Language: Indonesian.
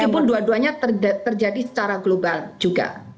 meskipun dua duanya terjadi secara global juga